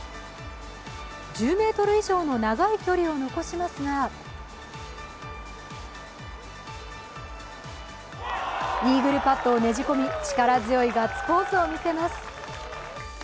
１０ｍ以上の長い距離を残しますがイーグルパットをねじ込み力強いガッツポーズを見せます。